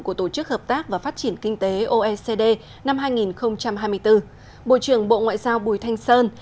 của tổ chức hợp tác và phát triển kinh tế oecd năm hai nghìn hai mươi bốn bộ trưởng bộ ngoại giao bùi thanh sơn